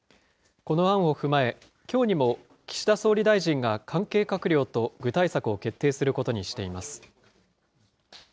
この案を踏まえ、きょうにも、岸田総理大臣が関係閣僚と具体策を決定することにしています。